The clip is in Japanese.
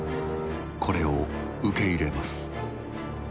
これを受け入れます。